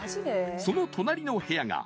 ［その隣の部屋が］